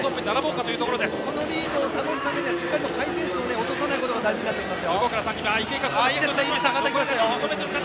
このリードを保つためにはしっかりハイペースを落とさないことが大事です。